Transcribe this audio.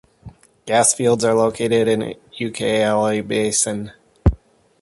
Gas fields are located in Ucayali Basin.